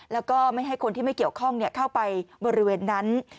แล้วก็ไม่ให้คนที่ไม่เกี่ยวข้องเข้าไปบริเวณนั้น